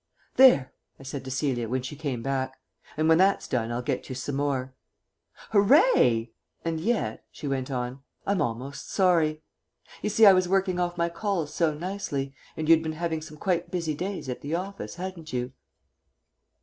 ..... "There!" I said to Celia when she came back. "And when that's done I'll get you some more." "Hooray! And yet," she went on, "I'm almost sorry. You see, I was working off my calls so nicely, and you'd been having some quite busy days at the office, hadn't you?"